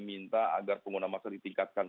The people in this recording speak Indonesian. minta agar pengguna masa ditingkatkan